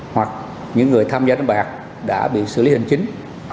hoặc những người tham gia đánh bạc đã bị xử lý hình chính